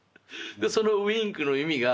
そのウインクの意味が